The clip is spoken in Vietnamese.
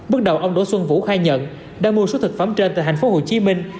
bước đầu ông đỗ xuân vũ khai nhận đã mua số thực phẩm trên tại thành phố hồ chí minh